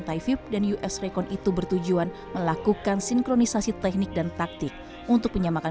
thai vip dan us recon itu bertujuan melakukan sinkronisasi teknik dan taktik untuk menyamakan